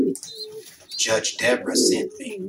Judge Debra sent me.